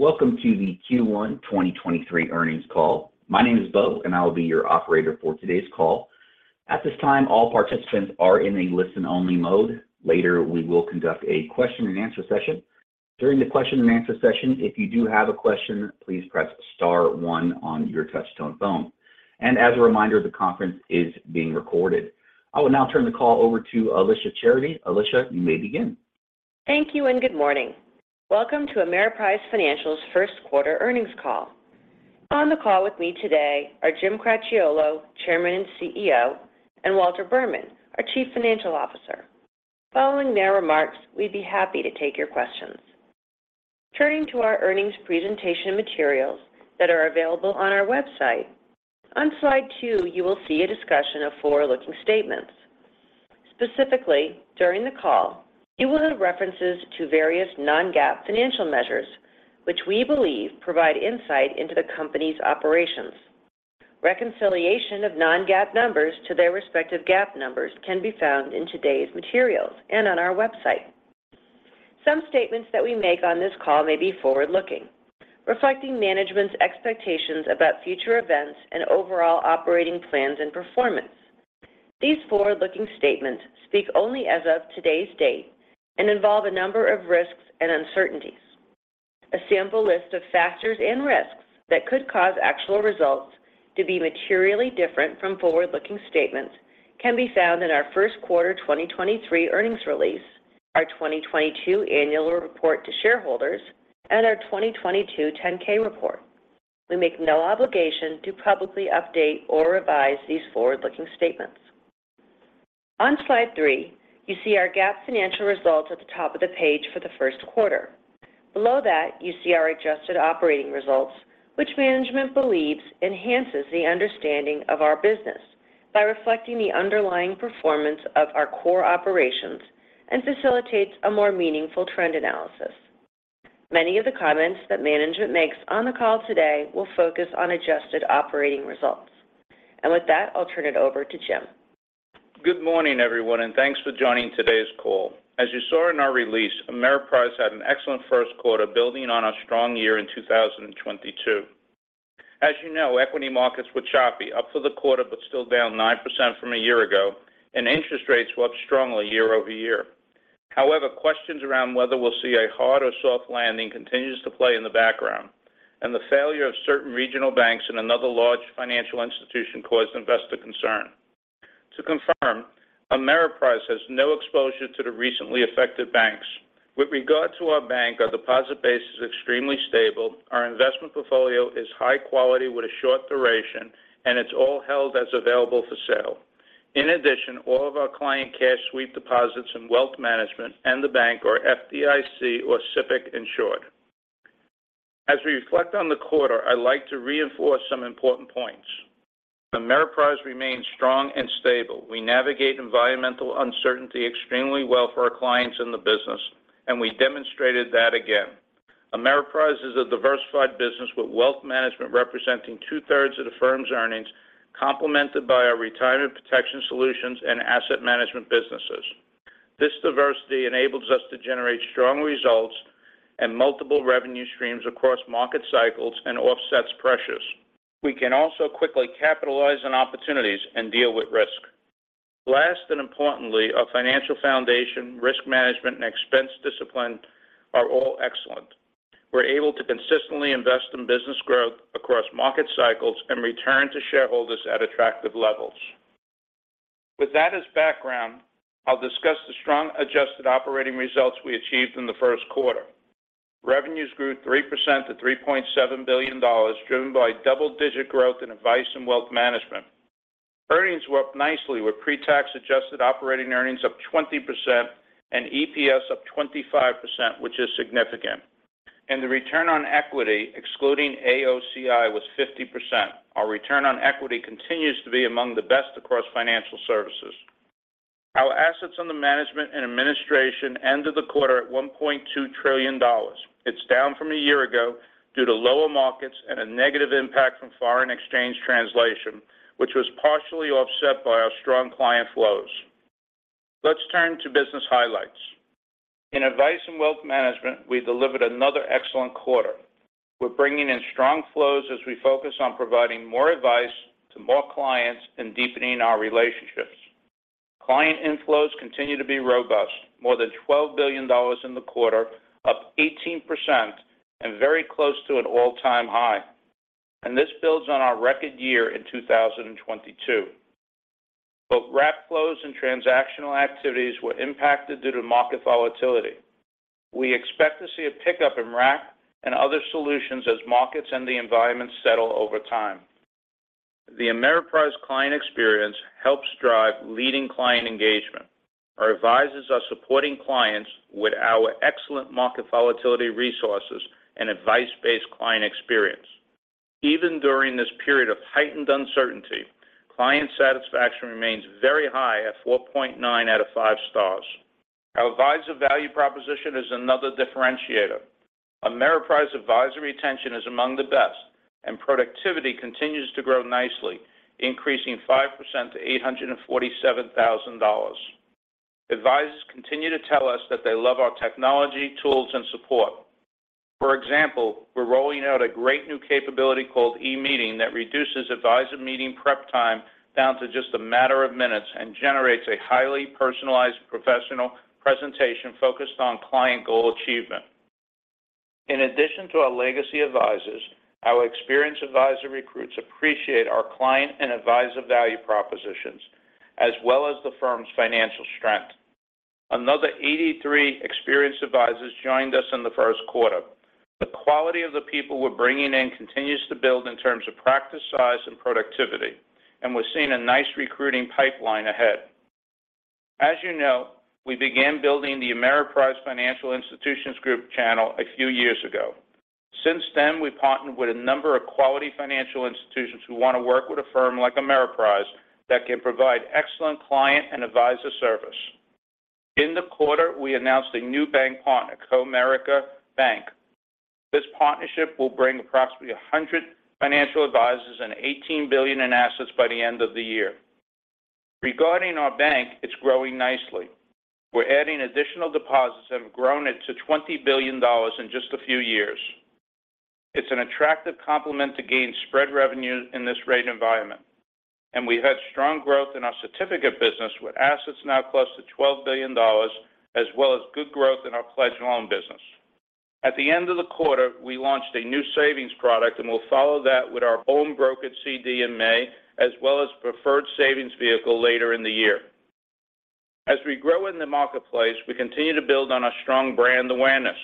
Welcome to the Q1 2023 Earnings Call. My name is Beau. I will be your operator for today's call. At this time, all participants are in a listen-only mode. Later, we will conduct a question-and-answer session. During the question-and-answer session, if you do have a question, please press star one on your touchtone phone. As a reminder, the conference is being recorded. I will now turn the call over to Alicia Charity. Alicia, you may begin. Thank you and good morning. Welcome to Ameriprise Financial's First Quarter Earnings Call. On the call with me today are Jim Cracchiolo, Chairman and CEO, and Walter Berman, our Chief Financial Officer. Following their remarks, we'd be happy to take your questions. Turning to our earnings presentation materials that are available on our website. On slide two, you will see a discussion of forward-looking statements. Specifically, during the call, you will have references to various non-GAAP financial measures which we believe provide insight into the company's operations. Reconciliation of non-GAAP numbers to their respective GAAP numbers can be found in today's materials and on our website. Some statements that we make on this call may be forward-looking, reflecting management's expectations about future events and overall operating plans and performance. These forward-looking statements speak only as of today's date and involve a number of risks and uncertainties. A sample list of factors and risks that could cause actual results to be materially different from forward-looking statements can be found in our first quarter 2023 earnings release, our 2022 annual report to shareholders, and our 2022 10-K report. We make no obligation to publicly update or revise these forward-looking statements. On slide three, you see our GAAP financial results at the top of the page for the first quarter. Below that, you see our adjusted operating results, which management believes enhances the understanding of our business by reflecting the underlying performance of our core operations and facilitates a more meaningful trend analysis. Many of the comments that management makes on the call today will focus on adjusted operating results. With that, I'll turn it over to Jim. Good morning, everyone, thanks for joining today's call. As you saw in our release, Ameriprise had an excellent first quarter building on our strong year in 2022. As you know, equity markets were choppy, up for the quarter but still down 9% from a year ago, and interest rates were up strongly year-over-year. However, questions around whether we'll see a hard or soft landing continues to play in the background, and the failure of certain regional banks and another large financial institution caused investor concern. To confirm, Ameriprise has no exposure to the recently affected banks. With regard to our bank, our deposit base is extremely stable. Our investment portfolio is high quality with a short duration, and it's all held as available for sale. All of our client cash sweep deposits and wealth management and the bank are FDIC or SIPC insured. As we reflect on the quarter, I'd like to reinforce some important points. Ameriprise remains strong and stable. We navigate environmental uncertainty extremely well for our clients in the business. We demonstrated that again. Ameriprise is a diversified business with wealth management representing 2/3 of the firm's earnings, complemented by our retirement protection solutions and asset management businesses. This diversity enables us to generate strong results and multiple revenue streams across market cycles and offsets pressures. We can also quickly capitalize on opportunities and deal with risk. Importantly, our financial foundation, risk management, and expense discipline are all excellent. We're able to consistently invest in business growth across market cycles and return to shareholders at attractive levels. With that as background, I'll discuss the strong adjusted operating results we achieved in the first quarter. Revenues grew 3% to $3.7 billion, driven by double-digit growth in Advice & Wealth Management. Earnings were up nicely with pre-tax adjusted operating earnings up 20% and EPS up 25%, which is significant. The return on equity, excluding AOCI, was 50%. Our return on equity continues to be among the best across financial services. Our assets on the management and administration ended the quarter at $1.2 trillion. It's down from a year ago due to lower markets and a negative impact from foreign exchange translation, which was partially offset by our strong client flows. Let's turn to business highlights. In Advice & Wealth Management, we delivered another excellent quarter. We're bringing in strong flows as we focus on providing more advice to more clients and deepening our relationships. Client inflows continue to be robust, more than $12 billion in the quarter, up 18% and very close to an all-time high. This builds on our record year in 2022. Both wrap flows and transactional activities were impacted due to market volatility. We expect to see a pickup in wrap and other solutions as markets and the environment settle over time. The Ameriprise client experience helps drive leading client engagement. Our advisors are supporting clients with our excellent market volatility resources and advice-based client experience. Even during this period of heightened uncertainty, client satisfaction remains very high at 4.9 out of five stars. Our advisor value proposition is another differentiator. Ameriprise advisory attention is among the best, and productivity continues to grow nicely, increasing 5% to $847,000. Advisors continue to tell us that they love our technology, tools, and support. For example, we're rolling out a great new capability called eMeeting that reduces advisor meeting prep time down to just a matter of minutes and generates a highly personalized professional presentation focused on client goal achievement. In addition to our legacy advisors, our experienced advisor recruits appreciate our client and advisor value propositions, as well as the firm's financial strength. Another 83 experienced advisors joined us in the first quarter. The quality of the people we're bringing in continues to build in terms of practice size and productivity, and we're seeing a nice recruiting pipeline ahead. As you know, we began building the Ameriprise Financial Institutions Group channel a few years ago. Since then, we've partnered with a number of quality financial institutions who want to work with a firm like Ameriprise that can provide excellent client and advisor service. In the quarter, we announced a new bank partner, Comerica Bank. This partnership will bring approximately 100 financial advisors and $18 billion in assets by the end of the year. Regarding our bank, it's growing nicely. We're adding additional deposits and have grown it to $20 billion in just a few years. It's an attractive complement to gain spread revenue in this rate environment, and we've had strong growth in our certificate business, with assets now close to $12 billion, as well as good growth in our pledge loan business. At the end of the quarter, we launched a new savings product, and we'll follow that with our own brokered CD in May, as well as preferred savings vehicle later in the year. As we grow in the marketplace, we continue to build on our strong brand awareness.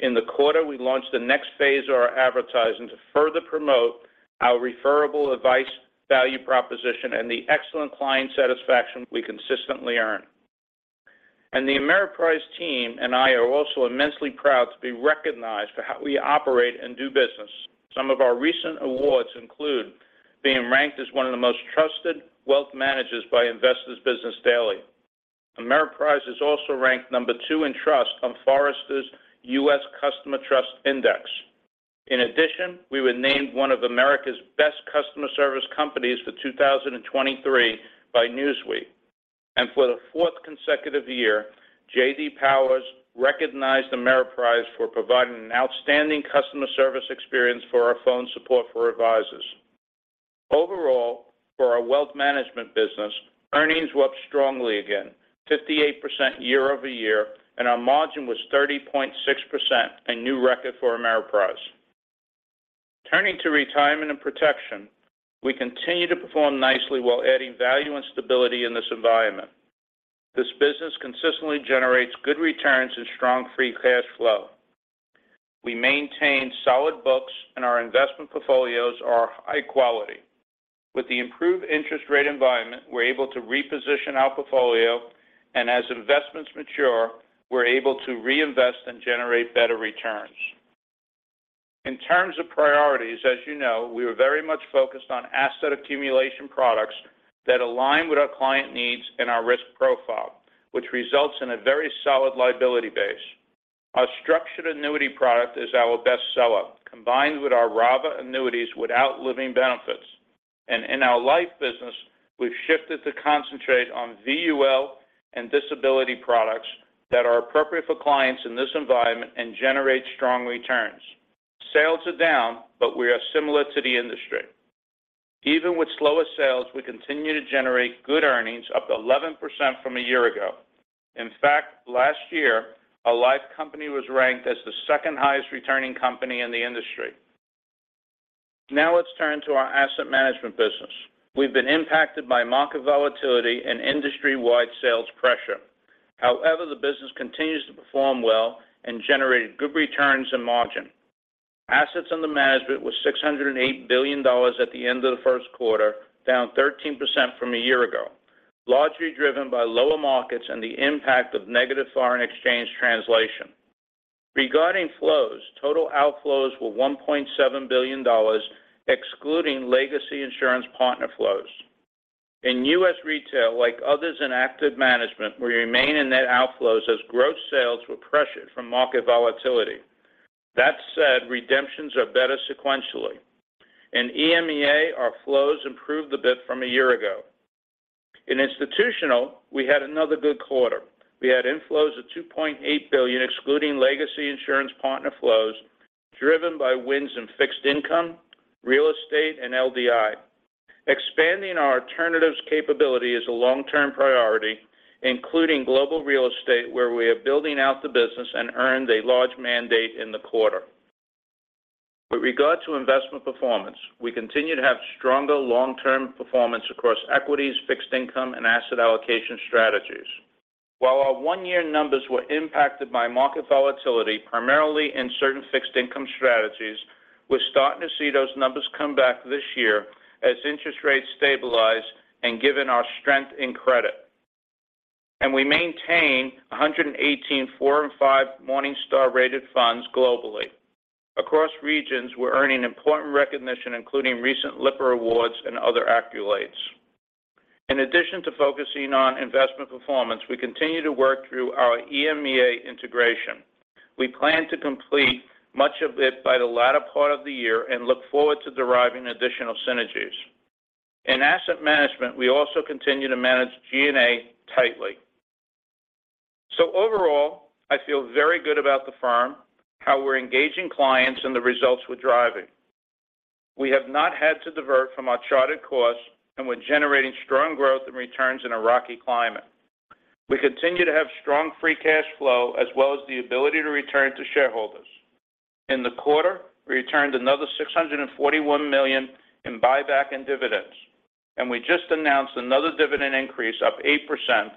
In the quarter, we launched the next phase of our advertising to further promote our referable advice value proposition and the excellent client satisfaction we consistently earn. The Ameriprise team and I are also immensely proud to be recognized for how we operate and do business. Some of our recent awards include being ranked as one of the most trusted wealth managers by Investor's Business Daily. Ameriprise is also ranked number two in trust on Forrester's U.S. Customer Trust Index. In addition, we were named one of America's Best Customer Service Companies for 2023 by Newsweek. For the fourth consecutive year, J.D. Power recognized Ameriprise for providing an outstanding customer service experience for our phone support for advisors. Overall, for our wealth management business, earnings were up strongly again, 58% year-over-year, and our margin was 30.6%, a new record for Ameriprise. Turning to Retirement and Protection, we continue to perform nicely while adding value and stability in this environment. This business consistently generates good returns and strong free cash flow. We maintain solid books, and our investment portfolios are high quality. With the improved interest rate environment, we're able to reposition our portfolio, and as investments mature, we're able to reinvest and generate better returns. In terms of priorities, as you know, we are very much focused on asset accumulation products that align with our client needs and our risk profile, which results in a very solid liability base. Our structured annuity product is our best seller, combined with our RAVA annuities without living benefits. In our life business, we've shifted to concentrate on VUL and disability products that are appropriate for clients in this environment and generate strong returns. Sales are down, but we are similar to the industry. Even with slower sales, we continue to generate good earnings, up 11% from a year ago. In fact, last year, our life company was ranked as the second highest returning company in the industry. Now let's turn to our asset management business. We've been impacted by market volatility and industry-wide sales pressure. The business continues to perform well and generated good returns and margin. Assets under management was $608 billion at the end of the first quarter, down 13% from a year ago, largely driven by lower markets and the impact of negative foreign exchange translation. Regarding flows, total outflows were $1.7 billion, excluding legacy insurance partner flows. In U.S. retail, like others in active management, we remain in net outflows as gross sales were pressured from market volatility. That said, redemptions are better sequentially. In EMEA, our flows improved a bit from a year ago. In institutional, we had another good quarter. We had inflows of $2.8 billion, excluding legacy insurance partner flows, driven by wins in fixed income, real estate, and LDI. Expanding our alternatives capability is a long-term priority, including global real estate, where we are building out the business and earned a large mandate in the quarter. With regard to investment performance, we continue to have stronger long-term performance across equities, fixed income, and asset allocation strategies. While our one-year numbers were impacted by market volatility, primarily in certain fixed income strategies, we're starting to see those numbers come back this year as interest rates stabilize and given our strength in credit. We maintain 118 four and five Morningstar rated funds globally. Across regions, we're earning important recognition, including recent Lipper Awards and other accolades. In addition to focusing on investment performance, we continue to work through our EMEA integration. We plan to complete much of it by the latter part of the year and look forward to deriving additional synergies. In asset management, we also continue to manage G&A tightly. Overall, I feel very good about the firm, how we're engaging clients, and the results we're driving. We have not had to divert from our charted course, and we're generating strong growth and returns in a rocky climate. We continue to have strong free cash flow as well as the ability to return to shareholders. In the quarter, we returned another $641 million in buyback and dividends, and we just announced another dividend increase up 8%,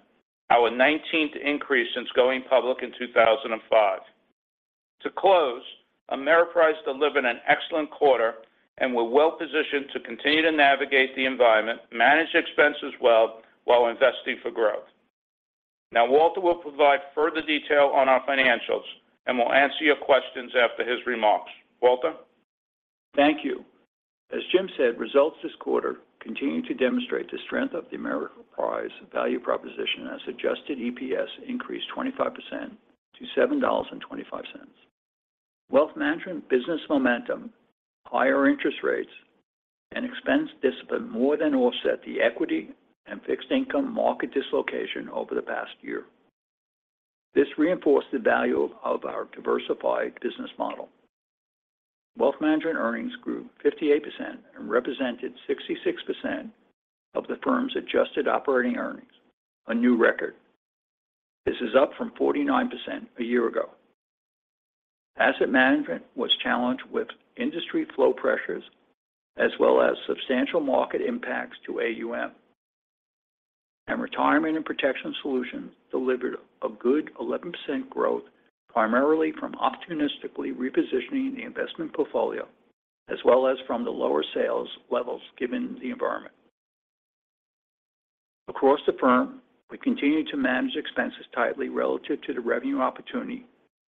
our 19th increase since going public in 2005. To close, Ameriprise delivered an excellent quarter, and we're well-positioned to continue to navigate the environment, manage expenses well while investing for growth. Now, Walter will provide further detail on our financials, and we'll answer your questions after his remarks. Walter. Thank you. As Jim said, results this quarter continue to demonstrate the strength of the Ameriprise value proposition as adjusted EPS increased 25% to $7.25. Wealth management business momentum, higher interest rates, and expense discipline more than offset the equity and fixed income market dislocation over the past year. This reinforced the value of our diversified business model. Wealth management earnings grew 58% and represented 66% of the firm's adjusted operating earnings, a new record. This is up from 49% a year ago. Asset management was challenged with industry flow pressures as well as substantial market impacts to AUM. Retirement and protection solutions delivered a good 11% growth, primarily from opportunistically repositioning the investment portfolio as well as from the lower sales levels given the environment. Across the firm, we continue to manage expenses tightly relative to the revenue opportunity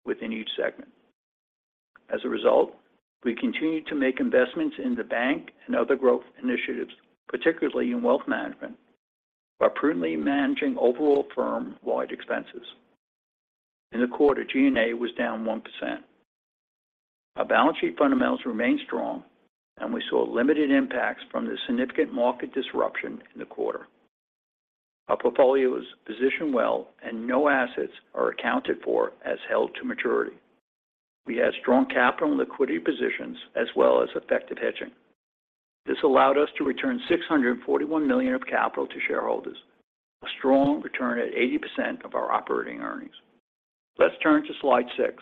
within each segment. As a result, we continue to make investments in the bank and other growth initiatives, particularly in wealth management, while prudently managing overall firm-wide expenses. In the quarter, G&A was down 1%. Our balance sheet fundamentals remained strong, and we saw limited impacts from the significant market disruption in the quarter. Our portfolio is positioned well, and no assets are accounted for as held to maturity. We had strong capital and liquidity positions as well as effective hedging. This allowed us to return $641 million of capital to shareholders, a strong return at 80% of our operating earnings. Let's turn to slide six.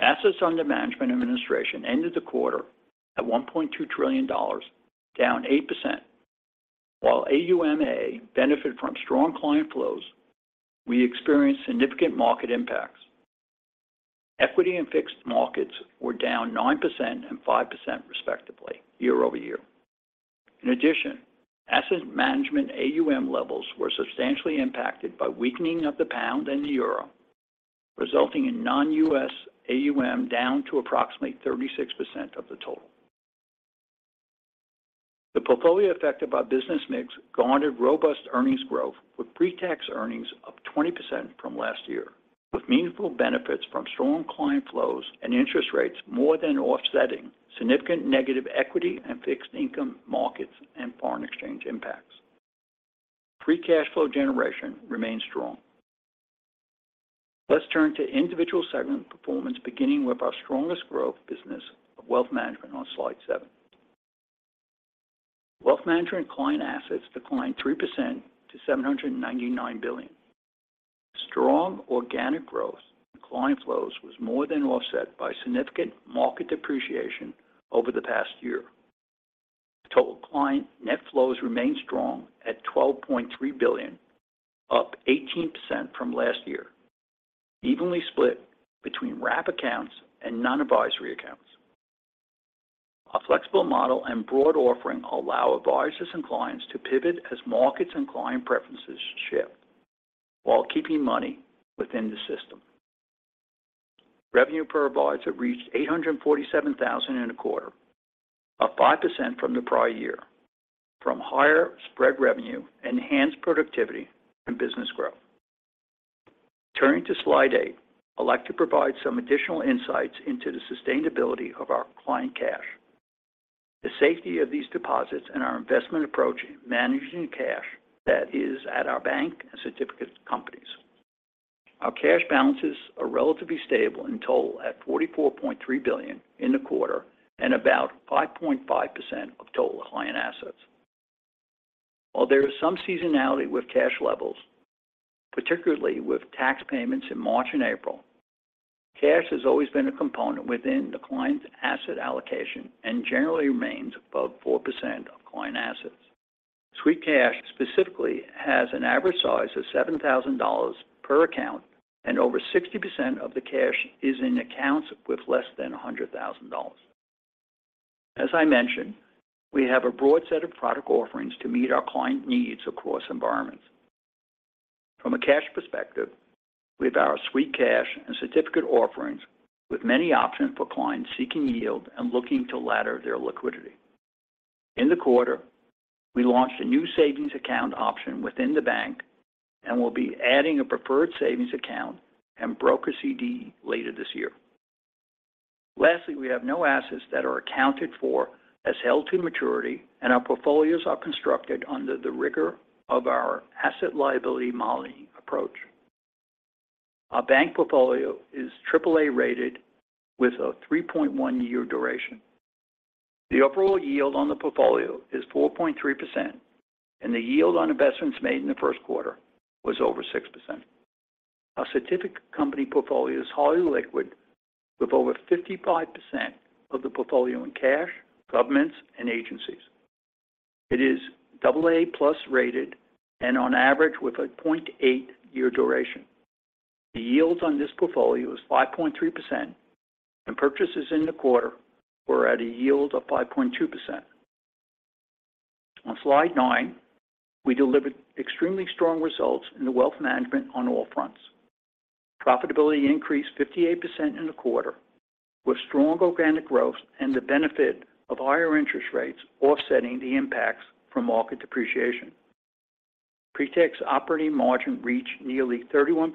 Assets under management administration ended the quarter at $1.2 trillion, down 8%. While AUMA benefited from strong client flows, we experienced significant market impacts. Equity and fixed markets were down 9% and 5%, respectively, year-over-year. Asset management AUM levels were substantially impacted by weakening of the pound and the euro, resulting in non-U.S. AUM down to approximately 36% of the total. The portfolio effect of our business mix garnered robust earnings growth, with pre-tax earnings up 20% from last year, with meaningful benefits from strong client flows and interest rates more than offsetting significant negative equity in fixed-income markets and foreign exchange impacts. Free cash flow generation remains strong. Let's turn to individual segment performance, beginning with our strongest growth business of wealth management on slide seven. Wealth management client assets declined 3% to $799 billion. Strong organic growth in client flows was more than offset by significant market depreciation over the past year. Total client net flows remained strong at $12.3 billion, up 18% from last year, evenly split between wrap accounts and non-advisory accounts. Our flexible model and broad offering allow advisors and clients to pivot as markets and client preferences shift while keeping money within the system. Revenue per advisor reached $847,000 in the quarter, up 5% from the prior year from higher spread revenue, enhanced productivity, and business growth. Turning to slide eight, I'd like to provide some additional insights into the sustainability of our client cash, the safety of these deposits, and our investment approach in managing cash that is at our bank and certificate companies. Our cash balances are relatively stable in total at $44.3 billion in the quarter and about 5.5% of total client assets. While there is some seasonality with cash levels, particularly with tax payments in March and April, cash has always been a component within the client's asset allocation and generally remains above 4% of client assets. Sweep cash specifically has an average size of $7,000 per account, and over 60% of the cash is in accounts with less than $100,000. As I mentioned, we have a broad set of product offerings to meet our client needs across environments. From a cash perspective, we have our sweep cash and certificate offerings with many options for clients seeking yield and looking to ladder their liquidity. In the quarter, we launched a new savings account option within the bank and we'll be adding a preferred savings account and brokered CD later this year. Lastly, we have no assets that are accounted for as held to maturity, and our portfolios are constructed under the rigor of our asset liability modeling approach. Our bank portfolio is AAA rated with a 3.1 year duration. The overall yield on the portfolio is 4.3%, and the yield on investments made in the first quarter was over 6%. Our certificate company portfolio is highly liquid with over 55% of the portfolio in cash, governments and agencies. It is AA+ rated and on average with a 0.8 year duration. The yields on this portfolio is 5.3%. Purchases in the quarter were at a yield of 5.2%. On slide nine, we delivered extremely strong results in the wealth management on all fronts. Profitability increased 58% in the quarter, with strong organic growth and the benefit of higher interest rates offsetting the impacts from market depreciation. Pretax operating margin reached nearly 31%,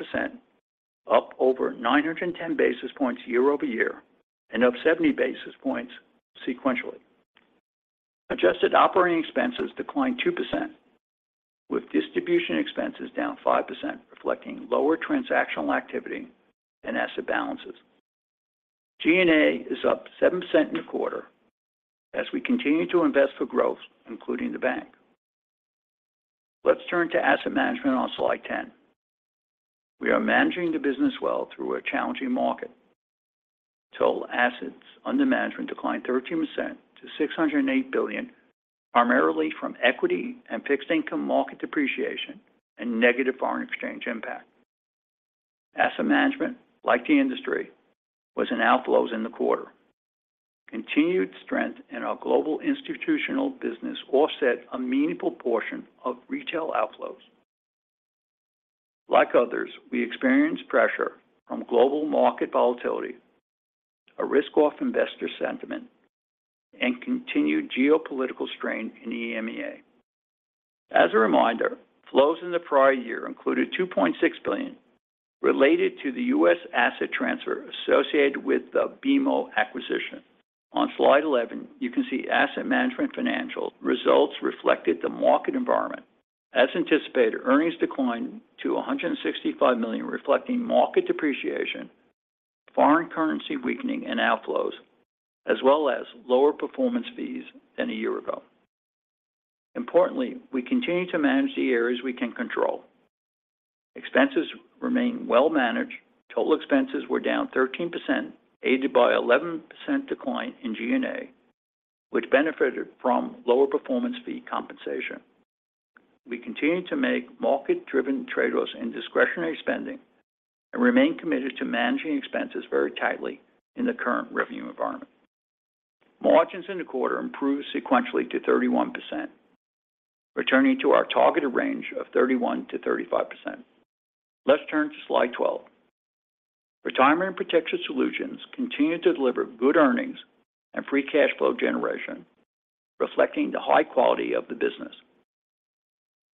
up over 910 basis points year-over-year. Up 70 basis points sequentially. Adjusted operating expenses declined 2%, with distribution expenses down 5%, reflecting lower transactional activity and asset balances. G&A is up 7% in the quarter as we continue to invest for growth, including the bank. Let's turn to asset management on slide ten. We are managing the business well through a challenging market. Total assets under management declined 13% to $608 billion, primarily from equity and fixed income market depreciation and negative foreign exchange impact. Asset management, like the industry, was in outflows in the quarter. Continued strength in our global institutional business offset a meaningful portion of retail outflows. Like others, we experienced pressure from global market volatility, a risk-off investor sentiment, and continued geopolitical strain in EMEA. As a reminder, flows in the prior year included $2.6 billion related to the U.S. asset transfer associated with the BMO acquisition. On slide 11, you can see asset management financial results reflected the market environment. As anticipated, earnings declined to $165 million, reflecting market depreciation, foreign currency weakening, and outflows, as well as lower performance fees than a year ago. Importantly, we continue to manage the areas we can control. Expenses remain well managed. Total expenses were down 13%, aided by 11% decline in G&A, which benefited from lower performance fee compensation. We continue to make market-driven trade-offs in discretionary spending and remain committed to managing expenses very tightly in the current revenue environment. Margins in the quarter improved sequentially to 31%, returning to our targeted range of 31%-35%. Let's turn to slide 12. Retirement protection solutions continued to deliver good earnings and free cash flow generation, reflecting the high quality of the business.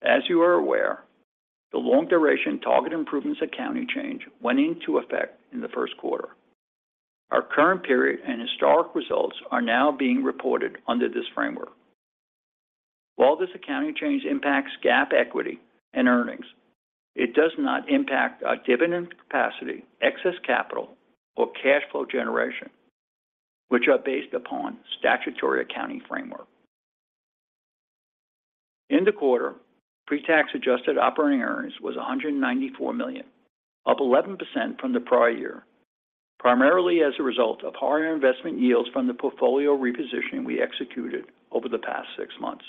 As you are aware, the long-duration target improvements accounting change went into effect in the first quarter. Our current period and historic results are now being reported under this framework. While this accounting change impacts GAAP equity and earnings, it does not impact our dividend capacity, excess capital, or cash flow generation, which are based upon statutory accounting framework. In the quarter, pre-tax adjusted operating earnings was $194 million, up 11% from the prior year, primarily as a result of higher investment yields from the portfolio repositioning we executed over the past six months.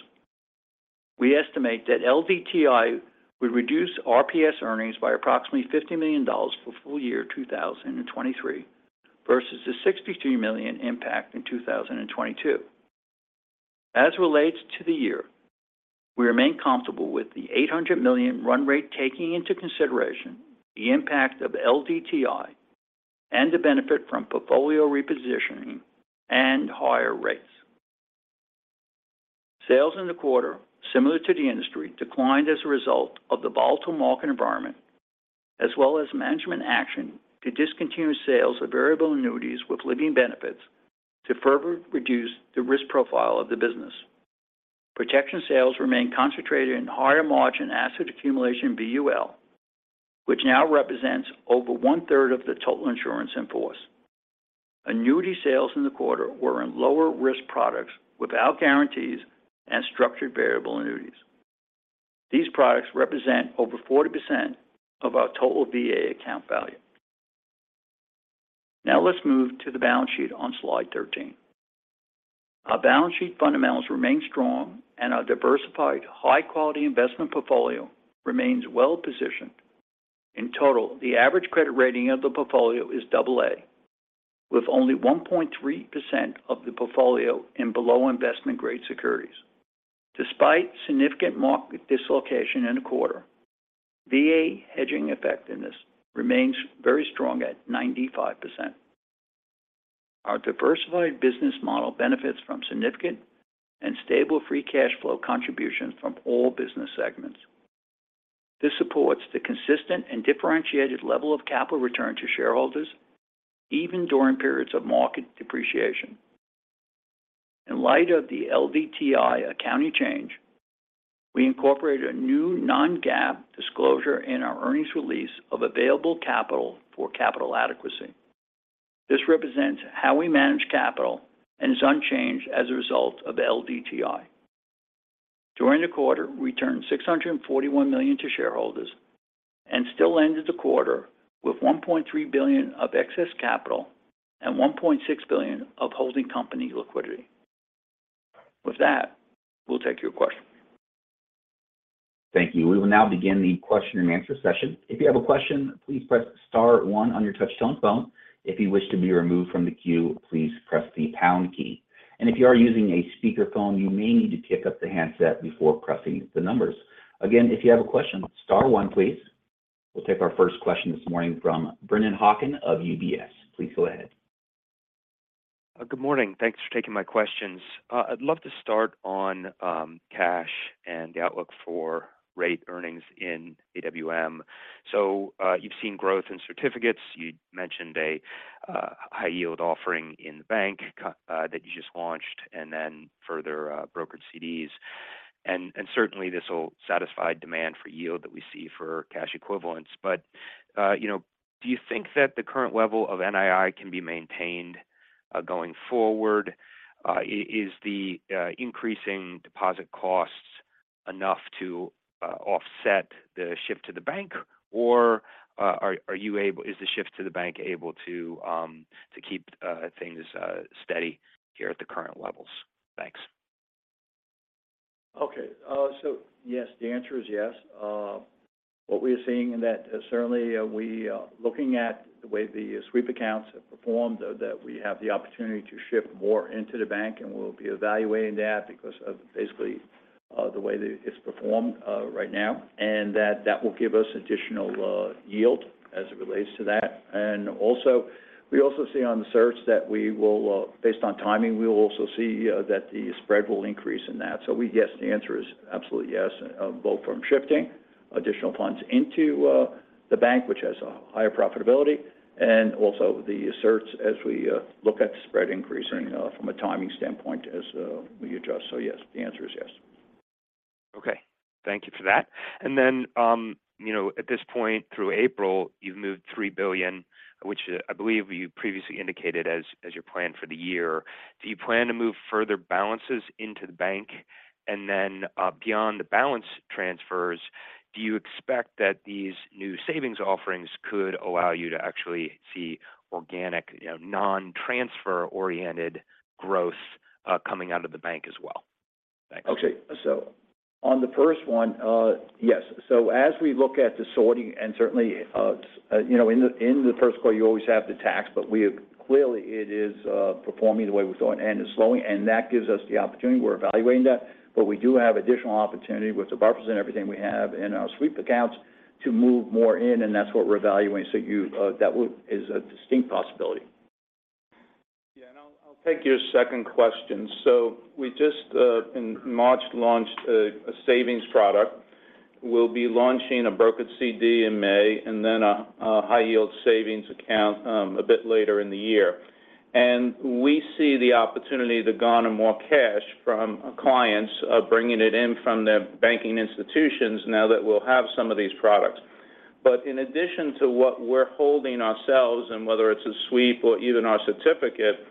We estimate that LDTI would reduce RPS earnings by approximately $50 million for full year 2023 versus the $63 million impact in 2022. As it relates to the year, we remain comfortable with the $800 million run rate, taking into consideration the impact of LDTI and the benefit from portfolio repositioning and higher rates. Sales in the quarter, similar to the industry, declined as a result of the volatile market environment as well as management action to discontinue sales of variable annuities with living benefits to further reduce the risk profile of the business. Protection sales remain concentrated in higher margin asset accumulation VUL, which now represents over one-third of the total insurance in force. Annuity sales in the quarter were in lower risk products without guarantees and structured variable annuities. These products represent over 40% of our total VA account value. Let's move to the balance sheet on slide 13. Our balance sheet fundamentals remain strong and our diversified high quality investment portfolio remains well positioned. In total, the average credit rating of the portfolio is AA, with only 1.3% of the portfolio in below investment-grade securities. Despite significant market dislocation in the quarter, VA hedging effectiveness remains very strong at 95%. Our diversified business model benefits from significant and stable free cash flow contribution from all business segments. This supports the consistent and differentiated level of capital return to shareholders even during periods of market depreciation. In light of the LDTI accounting change, we incorporated a new non-GAAP disclosure in our earnings release of available capital for capital adequacy. This represents how we manage capital and is unchanged as a result of LDTI. During the quarter, we returned $641 million to shareholders and still ended the quarter with $1.3 billion of excess capital and $1.6 billion of holding company liquidity. With that, we'll take your questions. Thank you. We will now begin the question-and-answer session. If you have a question, please press star one on your touch-tone phone. If you wish to be removed from the queue, please press the pound key. If you are using a speakerphone, you may need to pick up the handset before pressing the numbers. Again, if you have a question, star one, please. We'll take our first question this morning from Brennan Hawken of UBS. Please go ahead. Good morning. Thanks for taking my questions. I'd love to start on cash and the outlook for rate earnings in AWM. You've seen growth in certificates. You mentioned a high yield offering in the bank that you just launched and then further brokered CDs. Certainly this will satisfy demand for yield that we see for cash equivalents. You know, do you think that the current level of NII can be maintained going forward? Is the increasing deposit costs enough to offset the shift to the bank? Is the shift to the bank able to keep things steady here at the current levels? Thanks. Okay. Yes, the answer is yes. What we are seeing in that certainly we are looking at the way the sweep accounts have performed, that we have the opportunity to shift more into the bank, and we'll be evaluating that because of basically, the way that it's performed, right now, and that that will give us additional, yield as it relates to that. Also, we also see on the certs that we will, based on timing, we will also see, that the spread will increase in that. Yes, the answer is absolutely yes, both from shifting additional funds into, the bank, which has a higher profitability, and also the certs as we, look at the spread increasing, from a timing standpoint as, we adjust. Yes, the answer is yes. Okay. Thank you for that. You know, at this point through April, you've moved $3 billion, which I believe you previously indicated as your plan for the year. Do you plan to move further balances into the bank? Beyond the balance transfers, do you expect that these new savings offerings could allow you to actually see organic, you know, non-transfer-oriented growth coming out of the bank as well? Thanks. Okay. On the first one, yes. As we look at the sorting and certainly, you know, in the first quarter, you always have the tax, but clearly it is performing the way we thought and is slowing, and that gives us the opportunity. We're evaluating that, but we do have additional opportunity with the barbers and everything we have in our sweep accounts to move more in, and that's what we're evaluating. That is a distinct possibility. I'll take your second question. We just in March, launched a savings product. We'll be launching a brokered CD in May and then a high yield savings account a bit later in the year. We see the opportunity to garner more cash from clients, bringing it in from their banking institutions now that we'll have some of these products. In addition to what we're holding ourselves and whether it's a sweep or even our certificate,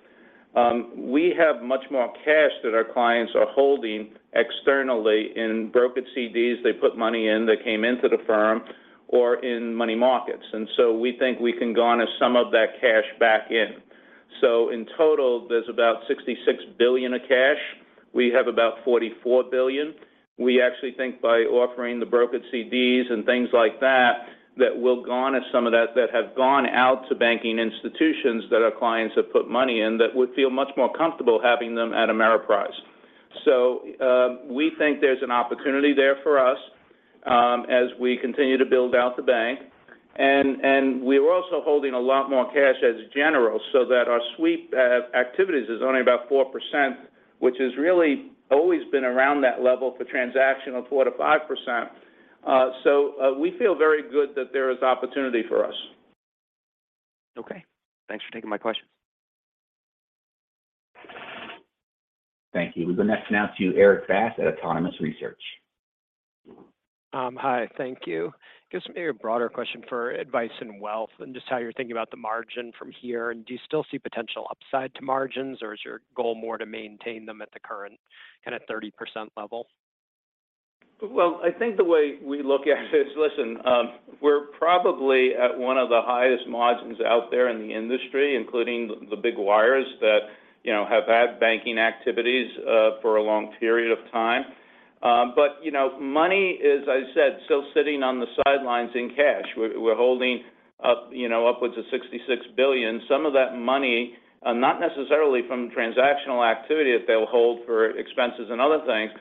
we have much more cash that our clients are holding externally in brokered CDs they put money in that came into the firm or in money markets. We think we can garner some of that cash back in. In total, there's about $66 billion of cash. We have about $44 billion. We actually think by offering the brokered CDs and things like that we'll garner some of that that have gone out to banking institutions that our clients have put money in that would feel much more comfortable having them at Ameriprise. We think there's an opportunity there for us as we continue to build out the bank. We're also holding a lot more cash as general so that our sweep activities is only about 4%, which has really always been around that level for transactional, 4%-5%. We feel very good that there is opportunity for us. Okay. Thanks for taking my questions. Thank you. We go next now to Erik Bass at Autonomous Research. Hi. Thank you. Just maybe a broader question for advice and wealth and just how you're thinking about the margin from here. Do you still see potential upside to margins, or is your goal more to maintain them at the current kind of 30% level? I think the way we look at it is, listen, we're probably at one of the highest margins out there in the industry, including the big wires that, you know, have had banking activities for a long period of time. You know, money is, as I said, still sitting on the sidelines in cash. We're holding up, you know, upwards of $66 billion. Some of that money, not necessarily from transactional activity that they'll hold for expenses and other things,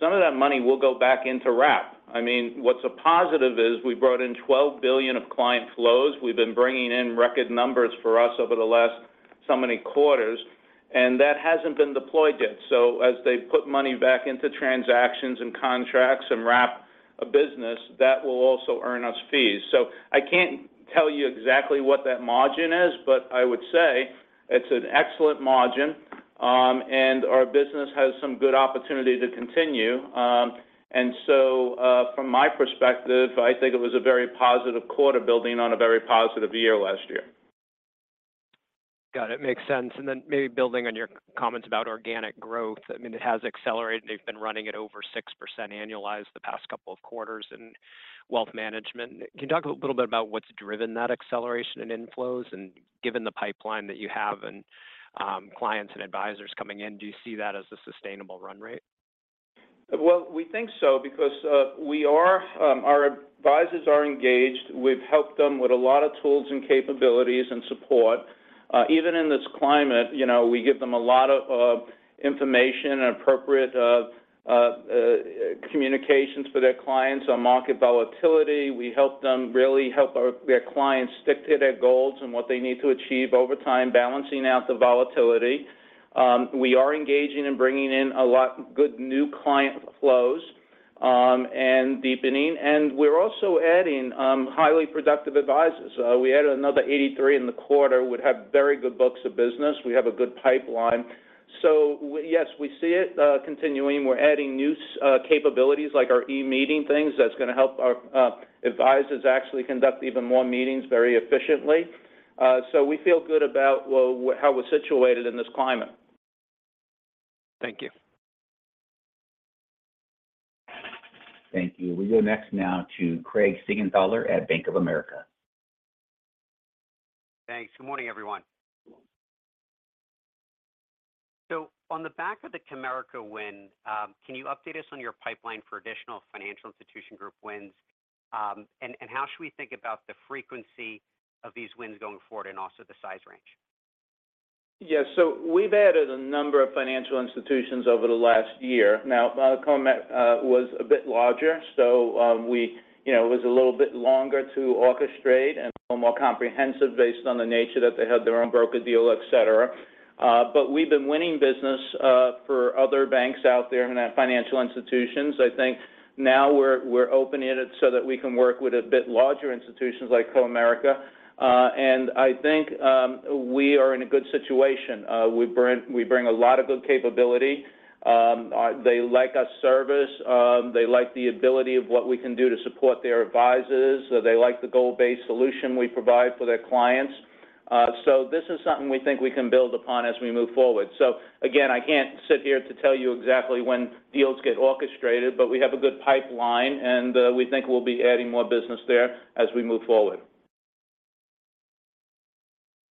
some of that money will go back into wrap. I mean, what's a positive is we brought in $12 billion of client flows. We've been bringing in record numbers for us over the last so many quarters, that hasn't been deployed yet. As they put money back into transactions and contracts and wrap a business, that will also earn us fees. I can't tell you exactly what that margin is, but I would say it's an excellent margin, and our business has some good opportunity to continue. From my perspective, I think it was a very positive quarter building on a very positive year last year. Got it. Makes sense. Then maybe building on your comments about organic growth. I mean, it has accelerated. You've been running at over 6% annualized the past couple of quarters in wealth management. Can you talk a little bit about what's driven that acceleration in inflows? Given the pipeline that you have and clients and advisors coming in, do you see that as a sustainable run rate? We think so because our advisors are engaged. We've helped them with a lot of tools and capabilities and support. Even in this climate, you know, we give them a lot of information and appropriate communications for their clients on market volatility. We help them really help their clients stick to their goals and what they need to achieve over time, balancing out the volatility. We are engaging in bringing in a lot good new client flows and deepening. We're also adding highly productive advisors. We added another 83 in the quarter who would have very good books of business. We have a good pipeline. Yes, we see it continuing. We're adding new capabilities like our eMeeting things that's gonna help our advisors actually conduct even more meetings very efficiently. We feel good about how we're situated in this climate. Thank you. Thank you. We go next now to Craig Siegenthaler at Bank of America. Thanks. Good morning, everyone. Good morning. On the back of the Comerica win, can you update us on your pipeline for additional financial institutions group wins? How should we think about the frequency of these wins going forward and also the size range? We've added a number of financial institutions over the last year. Now, Comerica was a bit larger, we, you know, it was a little bit longer to orchestrate and a little more comprehensive based on the nature that they had their own broker deal, et cetera. We've been winning business for other banks out there and financial institutions. I think now we're opening it so that we can work with a bit larger institutions like Comerica. I think we are in a good situation. We bring a lot of good capability. They like our service. They like the ability of what we can do to support their advisors. They like the goal-based solution we provide for their clients. This is something we think we can build upon as we move forward. Again, I can't sit here to tell you exactly when deals get orchestrated, but we have a good pipeline, and we think we'll be adding more business there as we move forward.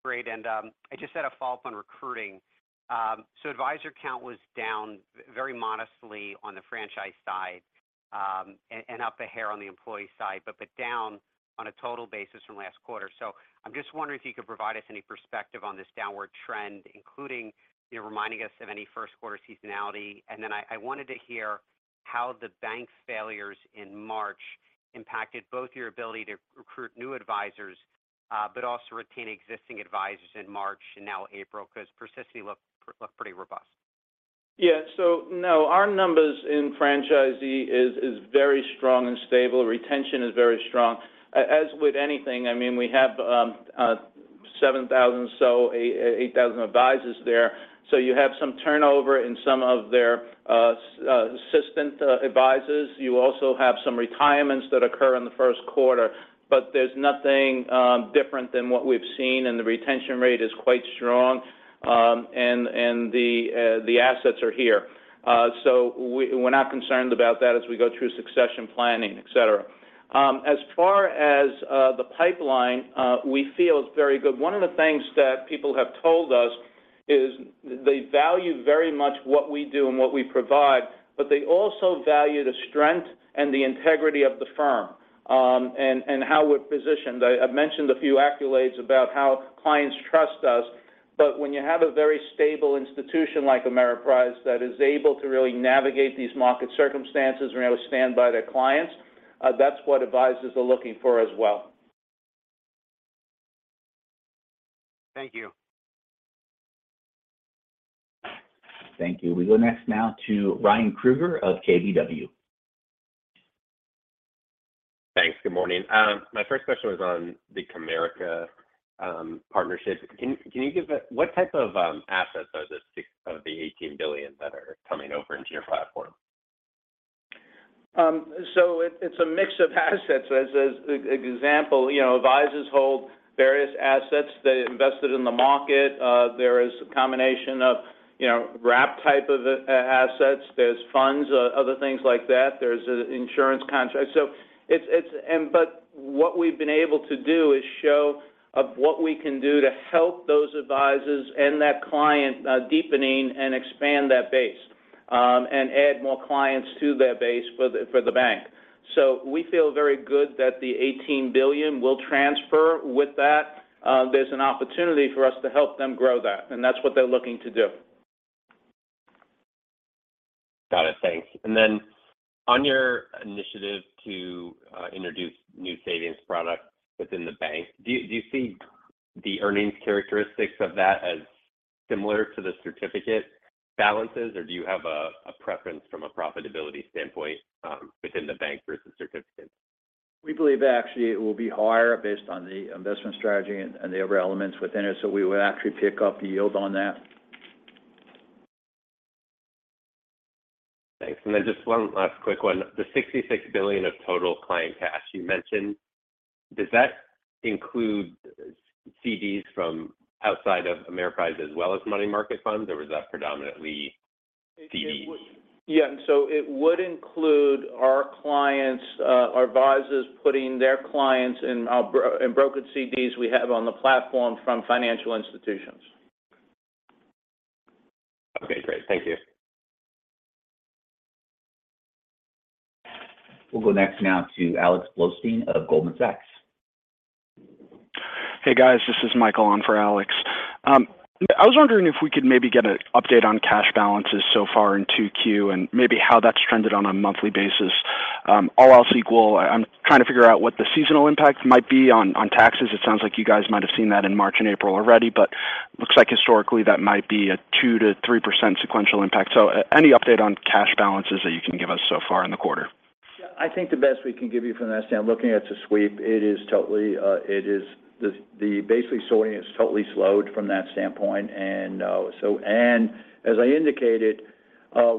Great. I just had a follow-up on recruiting. Advisor count was down very modestly on the franchise side, and up a hair on the employee side, but down on a total basis from last quarter. I'm just wondering if you could provide us any perspective on this downward trend, including, you know, reminding us of any first quarter seasonality. Then I wanted to hear how the bank failures in March impacted both your ability to recruit new advisors, but also retain existing advisors in March and now April, because persistently look pretty robust. Yeah. No, our numbers in franchisee is very strong and stable. Retention is very strong. As with anything, I mean, we have 7,000, so 8,000 advisors there. You have some turnover in some of their assistant advisors. You also have some retirements that occur in the first quarter. There's nothing different than what we've seen, and the retention rate is quite strong, and the assets are here. We're not concerned about that as we go through succession planning, et cetera. As far as the pipeline, we feel it's very good. One of the things that people have told us is they value very much what we do and what we provide, but they also value the strength and the integrity of the firm, and how we're positioned. I've mentioned a few accolades about how clients trust us, but when you have a very stable institution like Ameriprise that is able to really navigate these market circumstances and really stand by their clients, that's what advisors are looking for as well. Thank you. Thank you. We go next now to Ryan Krueger of KBW. Thanks. Good morning. My first question was on the Comerica partnership. Can you give what type of assets are the $18 billion that are coming over into your platform? It's a mix of assets. As an example, you know, advisors hold various assets. They invested in the market. There is a combination of, you know, wrap type of assets. There's funds, other things like that. There's an insurance contract. What we've been able to do is show of what we can do to help those advisors and that client, deepening and expand that base. Add more clients to their base for the, for the bank. We feel very good that the $18 billion will transfer. With that, there's an opportunity for us to help them grow that, and that's what they're looking to do. Got it. Thanks. Then on your initiative to introduce new savings products within the bank, do you see the earnings characteristics of that as similar to the certificate balances? Or do you have a preference from a profitability standpoint within the bank versus certificates? We believe actually it will be higher based on the investment strategy and the other elements within it, so we would actually pick up the yield on that. Thanks. Just one last quick one. The $66 billion of total client cash you mentioned, does that include CDs from outside of Ameriprise as well as money market funds, or was that predominantly CDs? Yeah, it would include our clients, our advisors putting their clients in our in brokered CDs we have on the platform from financial institutions. Okay, great. Thank you. We'll go next now to Alex Blostein of Goldman Sachs. Hey, guys. This is Michael on for Alex. I was wondering if we could maybe get a update on cash balances so far in 2Q and maybe how that's trended on a monthly basis. All else equal, I'm trying to figure out what the seasonal impact might be on taxes. It sounds like you guys might have seen that in March and April already, but looks like historically that might be a 2%-3% sequential impact. Any update on cash balances that you can give us so far in the quarter? Yeah, I think the best we can give you from that looking at the sweep, it is totally, the basically sorting is totally slowed from that standpoint. As I indicated,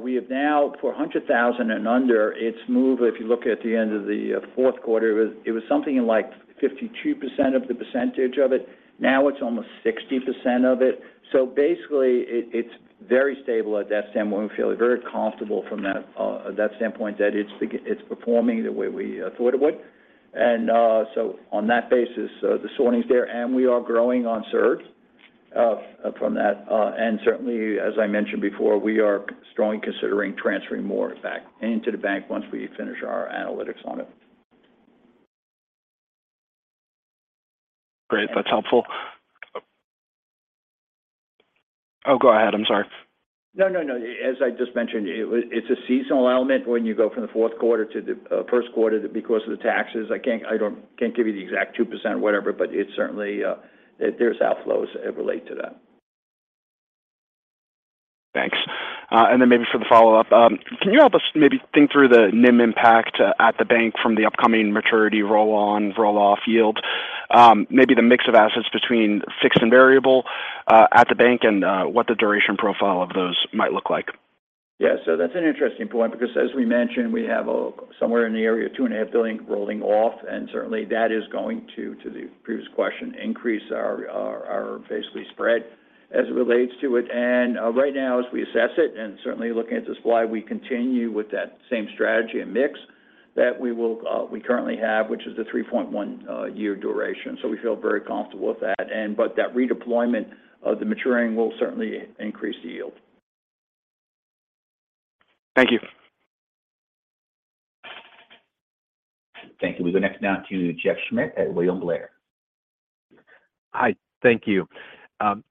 we have now for 100,000 and under, it's moved. If you look at the end of the fourth quarter, it was something in, like, 52% of the percentage of it. Now it's almost 60% of it. Basically it's very stable at that standpoint. We feel very comfortable from that that standpoint that it's performing the way we thought it would. On that basis, the sorting's there, and we are growing on cert from that. Certainly, as I mentioned before, we are strongly considering transferring more back into the bank once we finish our analytics on it. Great. That's helpful. Oh, go ahead. I'm sorry. No, no. As I just mentioned, it's a seasonal element when you go from the fourth quarter to the first quarter because of the taxes. I can't give you the exact 2% whatever, but it's certainly there's outflows that relate to that. Thanks. Then maybe for the follow-up, can you help us maybe think through the NIM impact at the bank from the upcoming maturity roll-on/roll-off yield? Maybe the mix of assets between fixed and variable, at the bank and, what the duration profile of those might look like? Yeah. That's an interesting point because as we mentioned, we have somewhere in the area of $2.5 billion rolling off, certainly that is going to the previous question, increase our basically spread as it relates to it. Right now as we assess it, certainly looking at the supply, we continue with that same strategy and mix that we will, we currently have, which is the 3.1 year duration. We feel very comfortable with that. That redeployment of the maturing will certainly increase the yield. Thank you. Thank you. We go next now to Jeffrey Schmitt at William Blair. Hi. Thank you.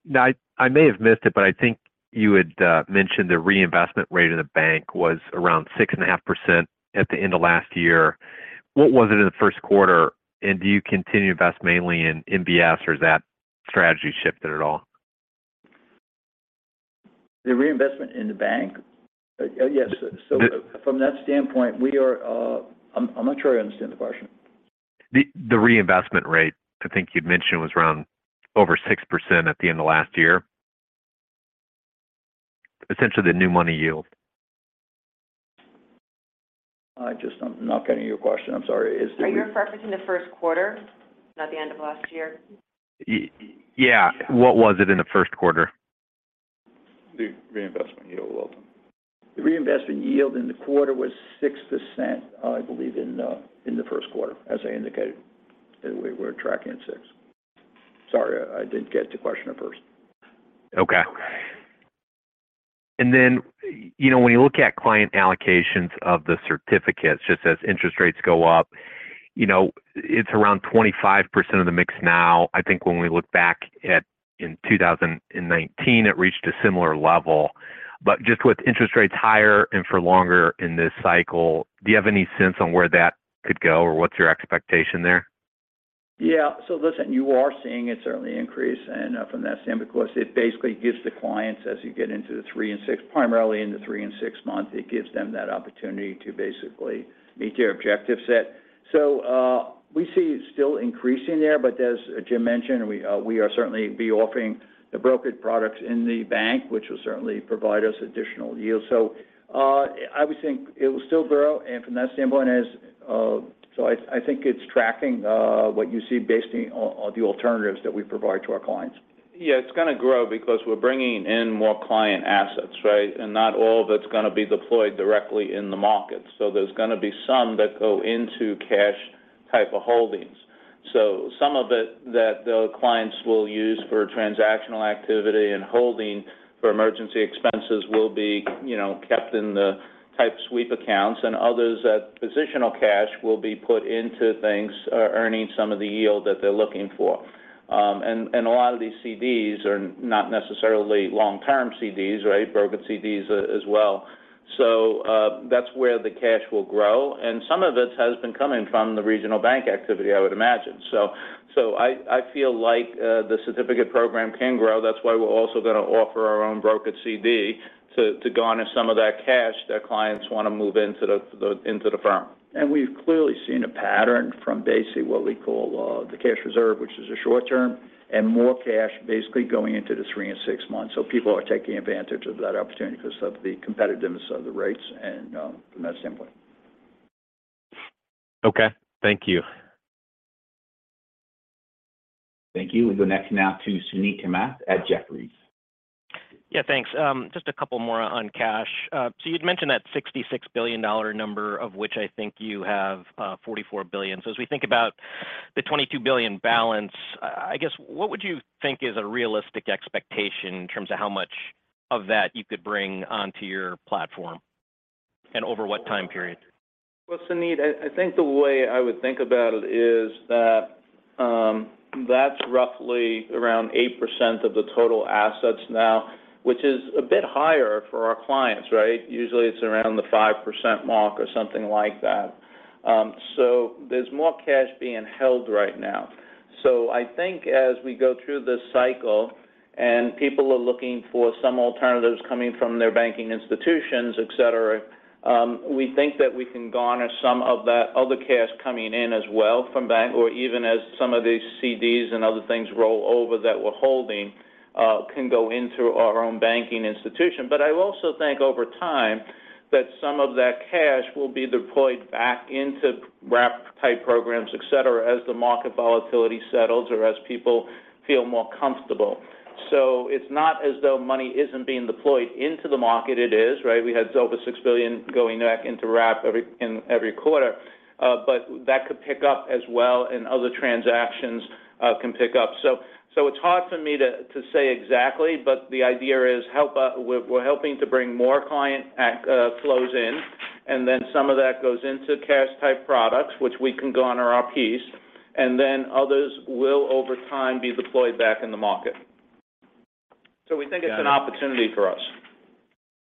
Now I may have missed it, but I think you had mentioned the reinvestment rate of the bank was around 6.5% at the end of last year. What was it in the first quarter, and do you continue to invest mainly in MBS or has that strategy shifted at all? The reinvestment in the bank? Yes. From that standpoint, I'm not sure I understand the question. The reinvestment rate I think you'd mentioned was around over 6% at the end of last year. Essentially the new money yield. I just, I'm not getting your question. I'm sorry. Are you referencing the first quarter, not the end of last year? Yeah. What was it in the first quarter? The reinvestment yield. The reinvestment yield in the quarter was 6%, I believe in the first quarter, as I indicated. We're tracking at 6%. Sorry, I didn't get the question at first. Okay. You know, when you look at client allocations of the certificates, just as interest rates go up, you know, it's around 25% of the mix now. I think when we look back at in 2019, it reached a similar level. Just with interest rates higher and for longer in this cycle, do you have any sense on where that could go, or what's your expectation there? Listen, you are seeing it certainly increase and from that standpoint because it basically gives the clients as you get into the three and six month, it gives them that opportunity to basically meet their objective set. We see it still increasing there, but as Jim mentioned, we are certainly be offering the brokered products in the bank, which will certainly provide us additional yield. I would think it will still grow, and from that standpoint is, I think it's tracking, what you see based on the alternatives that we provide to our clients. Yeah, it's gonna grow because we're bringing in more client assets, right? Not all of it's gonna be deployed directly in the market. There's gonna be some that go into cash type of holdings. Some of it that the clients will use for transactional activity and holding for emergency expenses will be, you know, kept in the type sweep accounts. Others that positional cash will be put into things, earning some of the yield that they're looking for. And a lot of these CDs are not necessarily long-term CDs, right? Brokered CDs as well. That's where the cash will grow. Some of it has been coming from the regional bank activity, I would imagine. I feel like the certificate program can grow. That's why we're also gonna offer our own brokered CD to garner some of that cash that clients wanna move into the firm. We've clearly seen a pattern from basically what we call, the cash reserve, which is a short-term, and more cash basically going into the three and six months. People are taking advantage of that opportunity because of the competitiveness of the rates and, from that standpoint. Okay. Thank you. Thank you. We go next now to Suneet Kamath at Jefferies. Yeah. Thanks. Just a couple more on cash. You'd mentioned that $66 billion number of which I think you have, $44 billion. As we think about the $22 billion balance, I guess, what would you think is a realistic expectation in terms of how much of that you could bring onto your platform, and over what time period? Well, Suneet, I think the way I would think about it is that's roughly around 8% of the total assets now, which is a bit higher for our clients, right? Usually it's around the 5% mark or something like that. There's more cash being held right now. I think as we go through this cycle and people are looking for some alternatives coming from their banking institutions, et cetera, we think that we can garner some of that other cash coming in as well from bank or even as some of these CDs and other things roll over that we're holding, can go into our own banking institution. I also think over time that some of that cash will be deployed back into wrap type programs, et cetera, as the market volatility settles or as people feel more comfortable. It's not as though money isn't being deployed into the market. It is, right? We had over $6 billion going back into wrap every, in every quarter. That could pick up as well and other transactions can pick up. It's hard for me to say exactly, but the idea is help. We're helping to bring more client flows in, some of that goes into cash type products which we can garner our piece. Others will over time be deployed back in the market. We think it's an opportunity for us.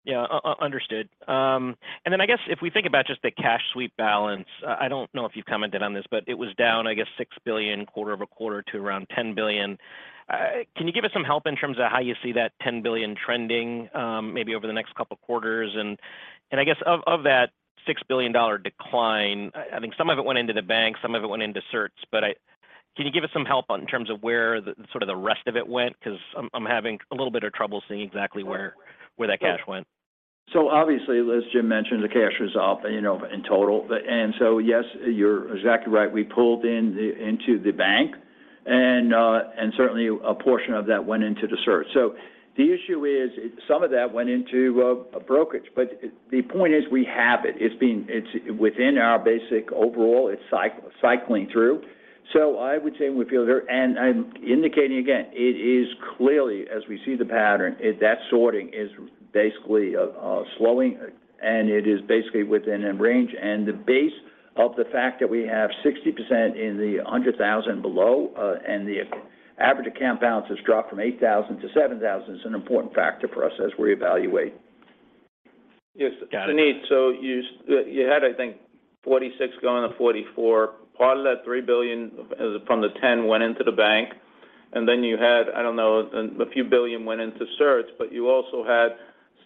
Yeah. Understood. Then I guess if we think about just the cash sweep balance, I don't know if you've commented on this. It was down, I guess, $6 billion quarter-over-quarter to around $10 billion. Can you give us some help in terms of how you see that $10 billion trending, maybe over the next couple quarters? I guess of that $6 billion decline, I think some of it went into the bank, some of it went into certs. Can you give us some help on in terms of where the sort of the rest of it went? Because I'm having a little bit of trouble seeing exactly where that cash went. Obviously, as Jim mentioned, the cash reserve, you know, in total. Yes, you're exactly right. We pulled in the, into the bank and certainly a portion of that went into the certs. The issue is some of that went into a brokerage. The point is, we have it. It's within our basic overall. It's cycling through. I would say we feel there. And I'm indicating again, it is clearly, as we see the pattern, that sorting is basically slowing, and it is basically within a range. And the base of the fact that we have 60% in the under $1,000 below, and the average account balance has dropped from $8,000-$7,000 is an important factor for us as we evaluate. Yes. Suneet, you had I think 46 going to 44. Part of that $3 billion from the $10 billion went into the bank. You had, I don't know, a few billion went into certs. You also had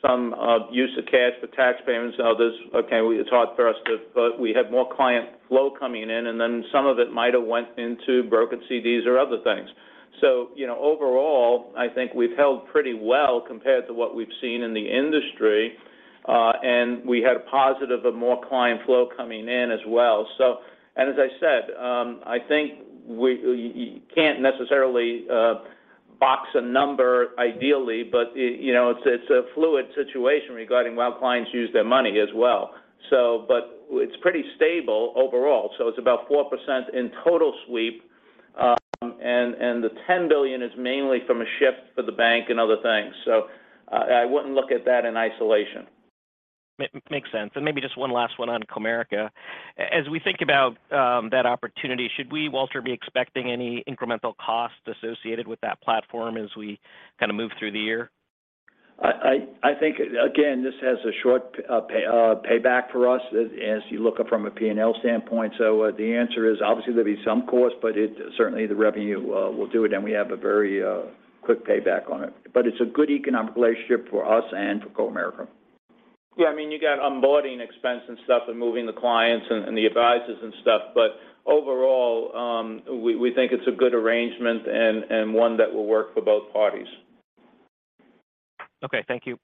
some use of cash for tax payments and others. Okay. It's hard for us to... We had more client flow coming in, and then some of it might have went into brokered CDs or other things. You know, overall, I think we've held pretty well compared to what we've seen in the industry. We had a positive of more client flow coming in as well. As I said, I think you can't necessarily box a number ideally. It, you know, it's a fluid situation regarding how clients use their money as well. It's pretty stable overall. It's about 4% in total sweep. And the $10 billion is mainly from a shift for the bank and other things. I wouldn't look at that in isolation. Makes sense. Maybe just one last one on Comerica. As we think about that opportunity, should we, Walter, be expecting any incremental cost associated with that platform as we kind of move through the year? I think again, this has a short payback for us as you look up from a P&L standpoint. The answer is obviously there'll be some cost. It certainly the revenue will do it, and we have a very quick payback on it. It's a good economic relationship for us and for Comerica. Yeah. I mean, you got onboarding expense and stuff and moving the clients and the advisors and stuff. Overall, we think it's a good arrangement and one that will work for both parties. Okay. Thank you.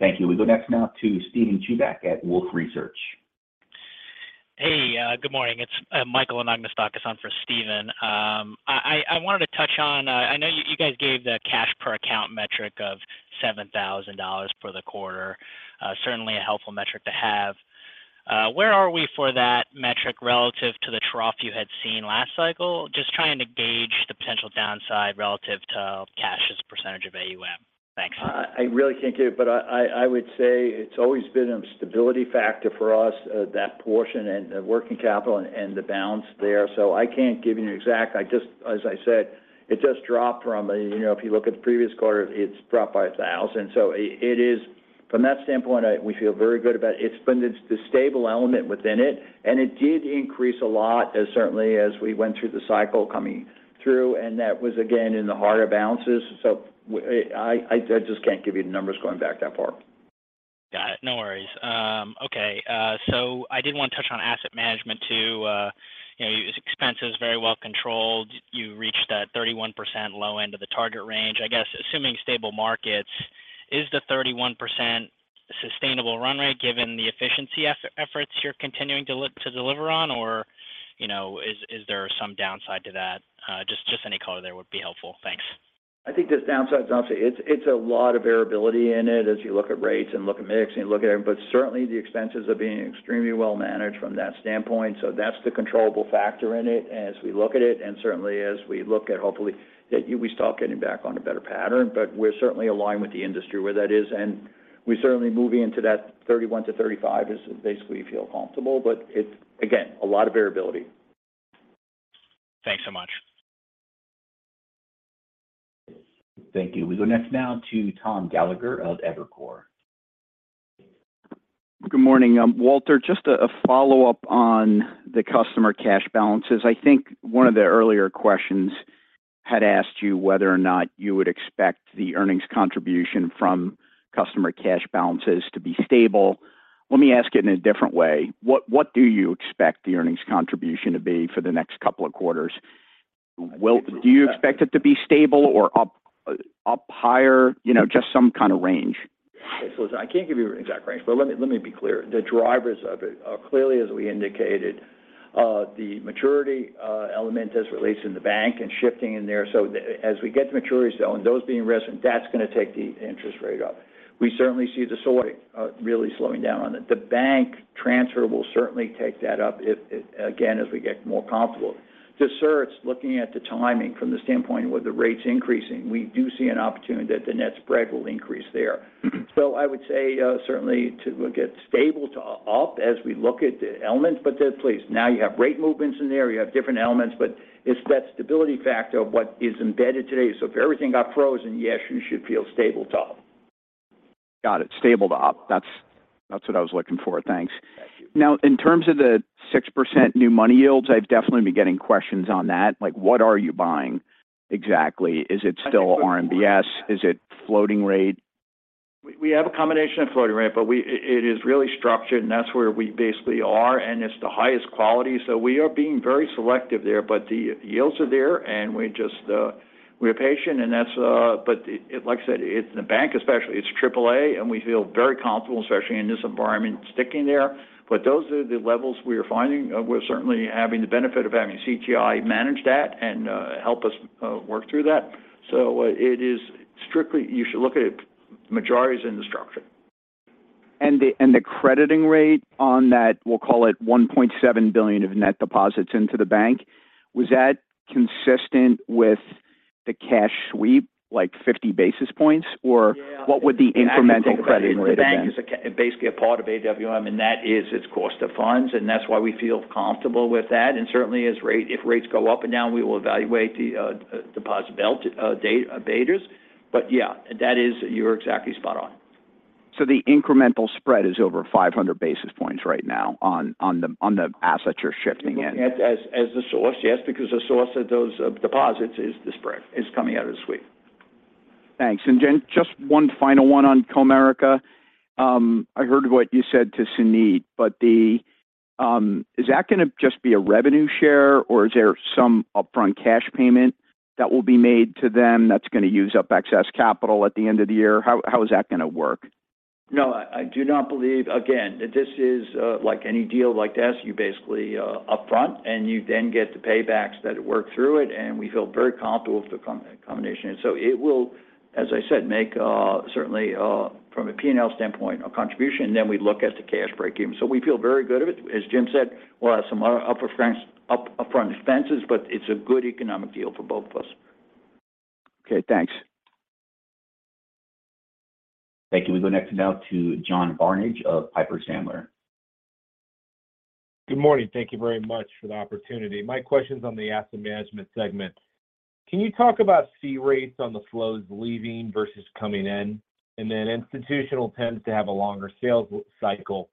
Thank you. We go next now to Steven Chubak at Wolfe Research. Hey. Good morning. It's Michael Anagnostakis on for Steven. I wanted to touch on, I know you guys gave the cash per account metric of $7,000 for the quarter. Certainly a helpful metric to have. Where are we for that metric relative to the trough you had seen last cycle? Just trying to gauge the potential downside relative to cash as a percentage of AUM. Thanks. I really can't give it, but I would say it's always been a stability factor for us, that portion and the working capital and the balance there. I can't give you an exact. As I said, it just dropped from, you know, if you look at the previous quarter, it's dropped by 1,000. From that standpoint, we feel very good about it. It's been the stable element within it, and it did increase a lot as certainly as we went through the cycle coming through, and that was again in the harder balances. I just can't give you the numbers going back that far. Got it. No worries. Okay. I did want to touch on asset management too. You know, expenses very well controlled. You reached that 31% low end of the target range. I guess assuming stable markets, is the 31% sustainable run rate given the efficiency efforts you're continuing to deliver on? You know, is there some downside to that? Just any color there would be helpful. Thanks. I think there's downsides, obviously. It's a lot of variability in it as you look at rates and look at mix and look at everything. Certainly the expenses are being extremely well managed from that standpoint. That's the controllable factor in it as we look at it and certainly as we look at, hopefully, that we start getting back on a better pattern. We're certainly aligned with the industry where that is, and we're certainly moving into that 31%-35% is basically feel comfortable. It's again, a lot of variability. Thanks so much. Thank you. We go next now to Tom Gallagher of Evercore. Good morning. Walter, just a follow-up on the customer cash balances. I think one of the earlier questions had asked you whether or not you would expect the earnings contribution from customer cash balances to be stable. Let me ask it in a different way. What do you expect the earnings contribution to be for the next couple of quarters? Do you expect it to be stable or up higher? You know, just some kind of range. Listen, I can't give you an exact range, but let me be clear. The drivers of it are clearly, as we indicated, the maturity element as released in the bank and shifting in there. As we get to maturity zone, those being recent, that's going to take the interest rate up. We certainly see the sort really slowing down on it. The bank transfer will certainly take that up if again, as we get more comfortable. To certs, looking at the timing from the standpoint with the rates increasing, we do see an opportunity that the net spread will increase there. I would say, certainly to look at stable to up as we look at the elements. Please, now you have rate movements in there, you have different elements, but it's that stability factor of what is embedded today. If everything got frozen, yes, you should feel stable to up. Got it. Stable to up. That's what I was looking for. Thanks. Thank you. In terms of the 6% new money yields, I've definitely been getting questions on that. Like, what are you buying exactly? Is it still RMBS? Is it floating rate? We have a combination of floating rate, but it is really structured, and that's where we basically are, and it's the highest quality. We are being very selective there. The yields are there, and we just, we're patient, and that's. Like I said, it's the bank, especially, it's AAA, and we feel very comfortable, especially in this environment, sticking there. Those are the levels we are finding. We're certainly having the benefit of having CTI manage that and help us work through that. It is strictly, you should look at it, majority is in the structure. The crediting rate on that, we'll call it $1.7 billion of net deposits into the bank. Was that consistent with the cash sweep, like 50 basis points? Or what would the incremental crediting rate have been? The bank is basically a part of AWM, and that is its cost of funds, and that's why we feel comfortable with that. Certainly as if rates go up and down, we will evaluate the deposit betas. Yeah, you're exactly spot on. The incremental spread is over 500 basis points right now on the assets you're shifting in. As the source, yes, because the source of those deposits is the spread. It's coming out of the sweep. Thanks. Just one final one on Comerica. I heard what you said to Suneet, is that going to just be a revenue share or is there some upfront cash payment that will be made to them that's going to use up excess capital at the end of the year? How is that going to work? No, I do not believe. Again, this is, like any deal like this, you basically, upfront and you then get the paybacks that work through it, and we feel very comfortable with the combination. It will, as I said, make, certainly, from a P&L standpoint, a contribution. We look at the cash break-even. We feel very good of it. As Jim said, we'll have some, upfront expenses, but it's a good economic deal for both of us. Okay, thanks. Thank you. We go next now to John Barnidge of Piper Sandler. Good morning. Thank you very much for the opportunity. My question is on the asset management segment. Can you talk about fee rates on the flows leaving versus coming in? Institutional tends to have a longer sales cycle.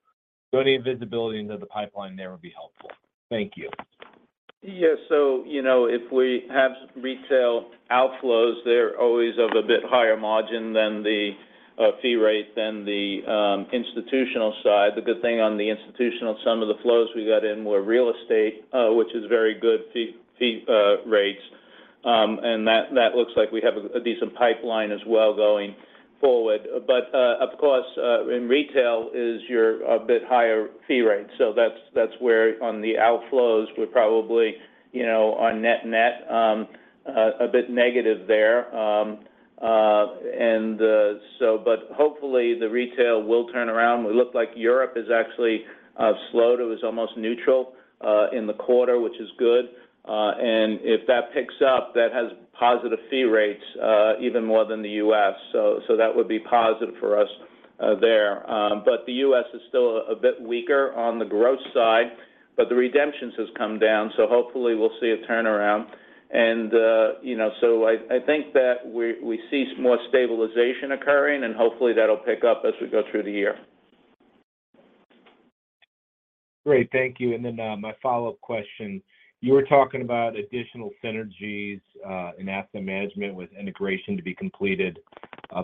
Any visibility into the pipeline there would be helpful. Thank you. Yes. You know, if we have retail outflows, they're always of a bit higher margin than the fee rate than the institutional side. The good thing on the institutional, some of the flows we got in were real estate, which is very good fee rates. That looks like we have a decent pipeline as well going forward. In retail is your a bit higher fee rate. That's where on the outflows, we're probably, you know, on net-net, a bit negative there. Hopefully the retail will turn around. We look like Europe is actually slowed. It was almost neutral in the quarter, which is good. If that picks up, that has positive fee rates, even more than the U.S.. That would be positive for us there. The U.S. is still a bit weaker on the growth side, but the redemptions has come down, hopefully we'll see a turnaround. You know, I think that we see some more stabilization occurring, and hopefully that'll pick up as we go through the year. Great. Thank you. My follow-up question. You were talking about additional synergies in asset management with integration to be completed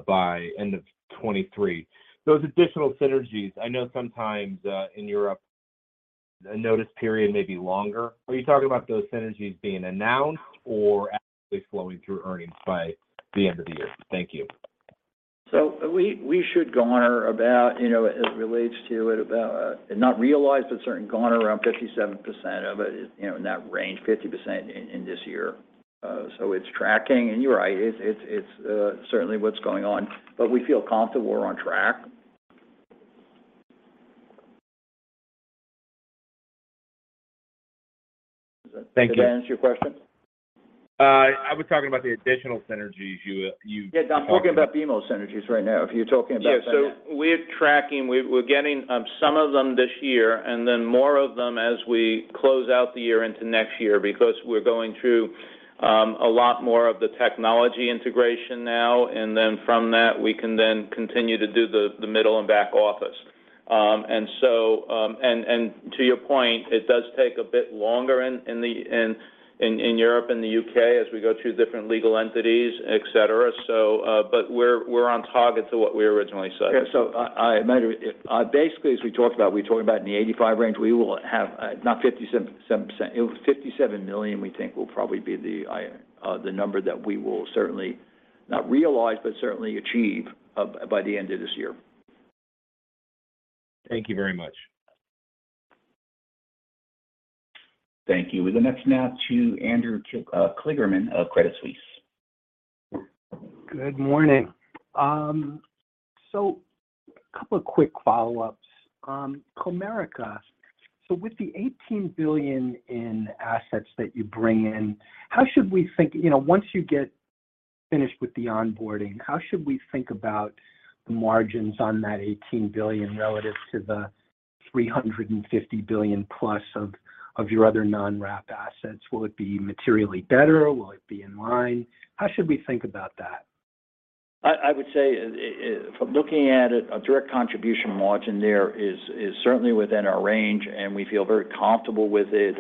by end of 2023. Those additional synergies, I know sometimes in Europe a notice period may be longer. Are you talking about those synergies being announced or actually flowing through earnings by the end of the year? Thank you. We should garner about, you know, as relates to it about, not realize, but certain garner around 57% of it, you know, in that range, 50% in this year. It's tracking, and you're right. It's certainly what's going on. We feel comfortable we're on track. Thank you. Does that answer your question? I was talking about the additional synergies you talked about. Yeah. No, I'm talking about BMO synergies right now. If you're talking about- Yeah. We're tracking. We're getting, some of them this year. More of them as we close out the year into next year because we're going through, a lot more of the technology integration now. From that, we can then continue to do the middle and back office. To your point, it does take a bit longer in Europe and the U.K. as we go through different legal entities, et cetera. But we're on target to what we originally said. Yeah. Basically, as we talked about, we talked about in the 85 range, we will have, not 57%. It was $57 million we think will probably be the number that we will certainly, not realize, but certainly achieve by the end of this year. Thank you very much. Thank you. We'll go next now to Andrew Kligerman of Credit Suisse. Good morning. Couple of quick follow-ups. Comerica, with the $18 billion in assets that you bring in, how should we think, you know, once you get finished with the onboarding, how should we think about the margins on that $18 billion relative to the $350 billion+ of your other non-wrap assets? Will it be materially better? Will it be in line? How should we think about that? I would say, from looking at it, a direct contribution margin there is certainly within our range, and we feel very comfortable with it.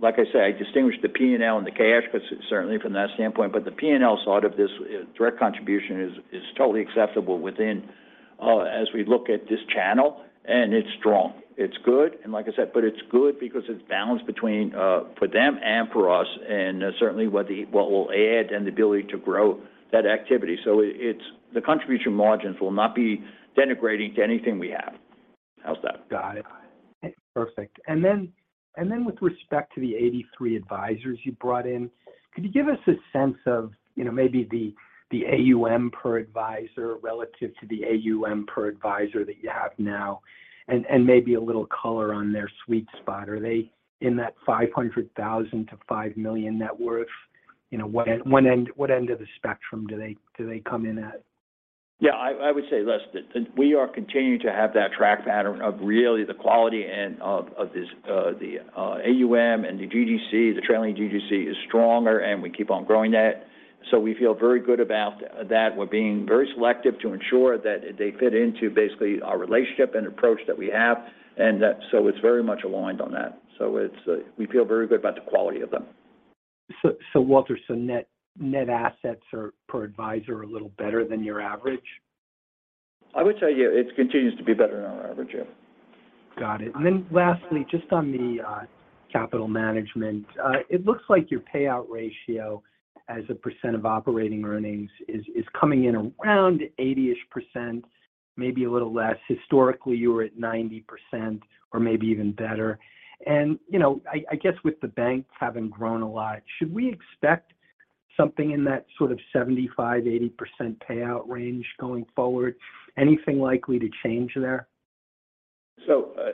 Like I said, I distinguished the P&L and the cash 'cause certainly from that standpoint, but the P&L side of this direct contribution is totally acceptable within as we look at this channel, and it's strong. It's good. Like I said, but it's good because it's balanced between for them and for us and certainly what will add and the ability to grow that activity. It's the contribution margins will not be denigrating to anything we have. How's that? Got it. Perfect. Then with respect to the 83 advisors you brought in, could you give us a sense of, you know, maybe the AUM per advisor relative to the AUM per advisor that you have now, and maybe a little color on their sweet spot? Are they in that $500,000-$5 million net worth? You know, what end of the spectrum do they come in at? Yeah. I would say less than. We are continuing to have that track pattern of really the quality and of this, the AUM and the GDC. The trailing GDC is stronger, and we keep on growing that. We feel very good about that. We're being very selective to ensure that they fit into basically our relationship and approach that we have and that so it's very much aligned on that. It's we feel very good about the quality of them. Walter, so net assets are per advisor a little better than your average? I would tell you it continues to be better than our average. Yeah. Got it. Lastly, just on the capital management. It looks like your payout ratio as a percent of operating earnings is coming in around 80%-ish, maybe a little less. Historically, you were at 90% or maybe even better. You know, I guess with the banks having grown a lot, should we expect something in that sort of 75%-80% payout range going forward? Anything likely to change there?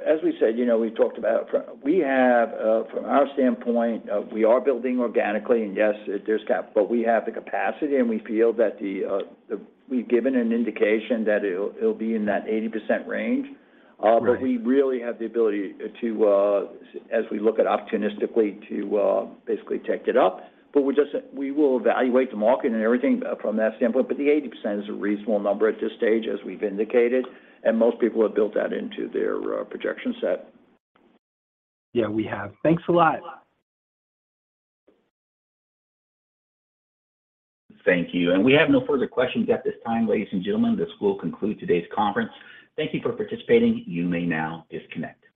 As we said, you know, we've talked about. We have, from our standpoint, we are building organically, and yes, there's cap, but we have the capacity, and we feel that the. We've given an indication that it'll be in that 80% range. Right. We really have the ability to, as we look at opportunistically to, basically take it up. We will evaluate the market and everything from that standpoint. The 80% is a reasonable number at this stage as we've indicated, and most people have built that into their projection set. Yeah, we have. Thanks a lot. Thank you. We have no further questions at this time. Ladies and gentlemen, this will conclude today's conference. Thank you for participating. You may now disconnect.